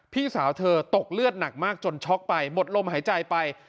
พี่สาวเธอตกเลือดหนักมากจนช็อกไปหมดลมหายใจไป